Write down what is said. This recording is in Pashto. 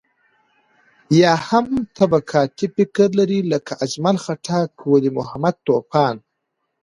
يا هم طبقاتي فکر لري لکه اجمل خټک، ولي محمد طوفان.